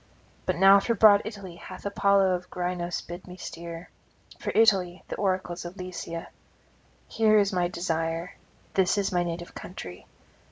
But now for broad Italy hath Apollo of Grynos bidden me steer, for Italy the oracles of Lycia. Here is my desire; this is my native country.